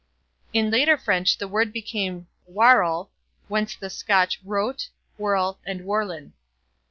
In later French the word became waroul, whence the Scotch wrout, wurl, and worlin.